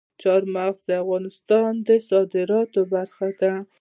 چار مغز د افغانستان د صادراتو برخه ده.